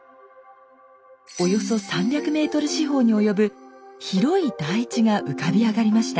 およそ３００ｍ四方に及ぶ広い台地が浮かび上がりました。